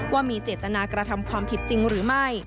ว่ามีเจตนากระทำความผิดจริงหรือไม่